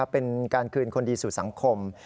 เป็นการคืนคนดีสู่สังคม